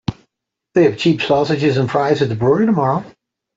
They have cheap sausages and fries at the brewery tomorrow.